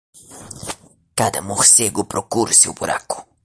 Cada morcego procura o seu buraco.